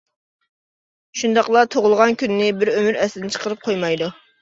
شۇنداقلا تۇغۇلغان كۈنىنى بىر ئۆمۈر ئەستىن چىقىرىپ قويمايدۇ.